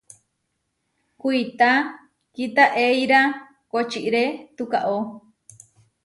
Kuitá kitaʼeíra kočiré tukaó.